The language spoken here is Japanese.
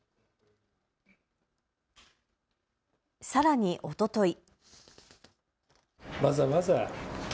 さらに、おととい。